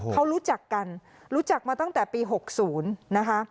เขารู้จักกันรู้จักมาตั้งแต่ปี๖๐นะคะ